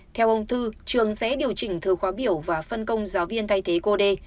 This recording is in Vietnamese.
theo ông thư trường sẽ điều chỉnh thứ khóa biểu và phân công giáo viên thay thế cô d